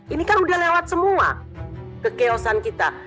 ini kan sudah lewat semua kechaosan kita